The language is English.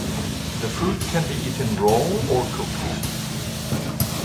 The fruit can be eaten raw or cooked.